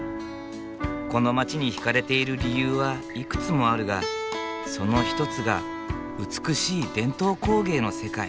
この街に引かれている理由はいくつもあるがその一つが美しい伝統工芸の世界。